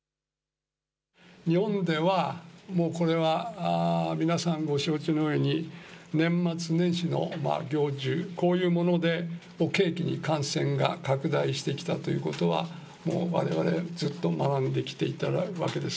日本では、もうこれは、皆さんご承知のように年末年始の行事、こういうものを契機に感染が拡大してきたということは、もうわれわれずっと学んできたわけです。